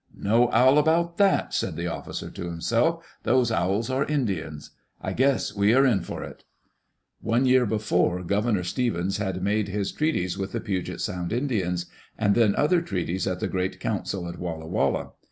"No owl about that^ said the officer to himself. Those owls arc Indians. I guess we arc in for it'* One year before, Governor Stevens had made his trea ties with the Puget Sound Indians, and then other treaties at the Great Council at Walla Walla.